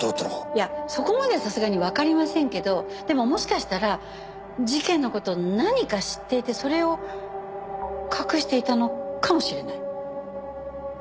いやそこまではさすがにわかりませんけどでももしかしたら事件の事を何か知っていてそれを隠していたのかもしれない。